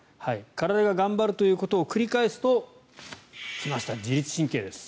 体が頑張るということを繰り返すと来ました、自律神経です。